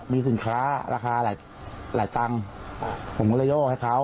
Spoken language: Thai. มีสินค้าราคาหลายหลายตังค์ผมก็เลยโยกให้เขา